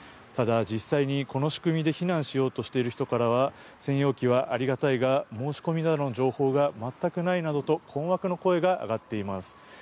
ただ実際に、この仕組みで避難しようとしている人からは専用機はありがたいが申し込みの情報が全くないなどの困惑の声が上がっています。